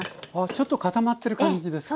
ちょっと固まってる感じですね。